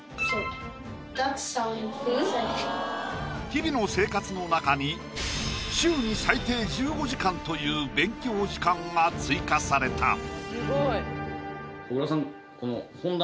日々の生活の中に週に最低１５時間という勉強時間が追加された小倉さん